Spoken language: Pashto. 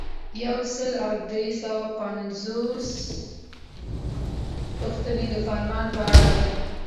یو سل او درې پنځوسمه پوښتنه د فرمان په اړه ده.